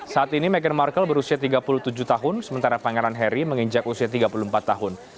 saat ini meghan markle berusia tiga puluh tujuh tahun sementara pangeran harry menginjak usia tiga puluh empat tahun